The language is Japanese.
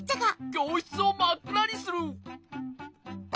きょうしつをまっくらにする。